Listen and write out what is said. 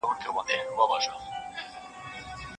نن به زما جنازه اخلي سبا ستا په وینو سور دی